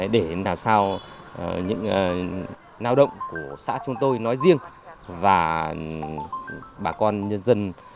để làm sao những lao động của xã chúng tôi nói riêng và bà con nhân dân